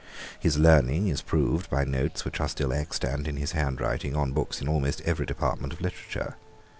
His learning is proved by notes which are still extant in his handwriting on books in almost every department of literature.